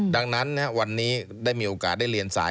ดังนั้นวันนี้ได้มีโอกาสได้เรียนสาย